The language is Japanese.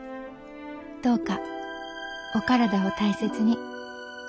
どうかお体を大切に。